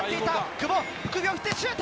久保、首を振ってシュート！